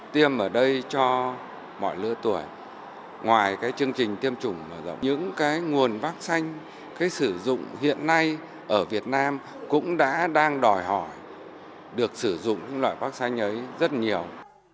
tại việt nam hiện nay ở việt nam cũng đã đang đòi hỏi được sử dụng loại vaccine ấy rất nhiều